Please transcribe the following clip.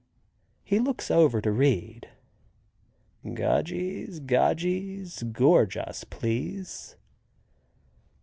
He looks over to read. "Gogies, gogies, gorge us, please."